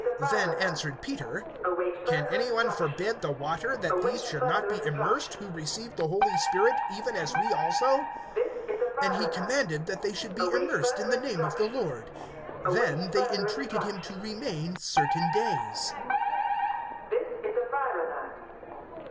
Then answered Peter: (47)Can any one forbid the water, that these should not be immersed, who received the Holy Spirit even as we also? (48)And he commanded that they should be immersed in the name of the Lord. Then they entreated him to remain certain days.